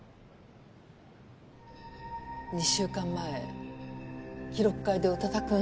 ２週間前記録会で宇多田くん